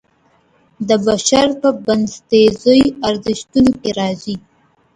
د بشر په بنسټیزو ارزښتونو کې راځي.